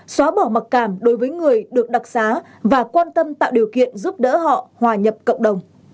xóa bỏ mặc cảm đối với người được đặc xá và quan tâm tạo điều kiện giúp đỡ họ hòa nhập cộng đồng